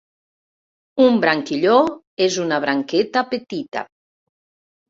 Un branquilló és una branqueta petita.